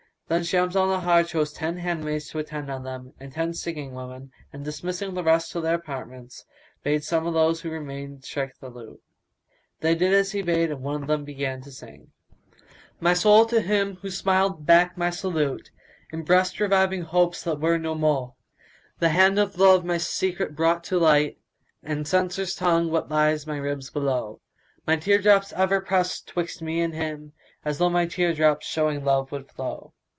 Then Shams al Nahar chose out ten handmaids to attend on them and ten singing women; and, dismissing the rest to their apartments, bade some of those who remained strike the lute. They did as she bade them and one of them began to sing, "My soul to him who smiled back my salute, * In breast reviving hopes that were no mo'e: The hand o' Love my secret brought to light, * And censor's tongues what lies my ribs below:[FN#182] My tear drops ever press twixt me and him, * As though my tear drops showing love would flow."